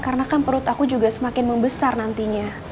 karena kan perut aku juga semakin membesar nantinya